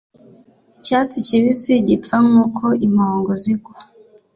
Icyatsi kibisi gipfa nkuko impongo zigwa